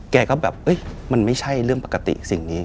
แกก็แบบมันไม่ใช่เรื่องปกติสิ่งนี้